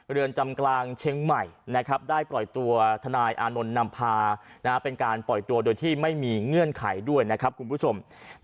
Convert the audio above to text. เรือนจำกลางเชียงใหม่